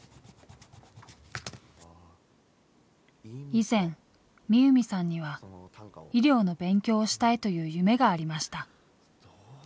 以前深海さんには医療の勉強をしたいという夢がありました。